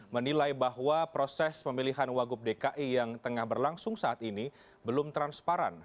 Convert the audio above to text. menilai bahwa proses pemilihan wagub dki yang tengah berlangsung saat ini belum transparan